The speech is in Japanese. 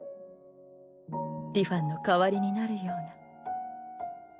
ティファンの代わりになるように。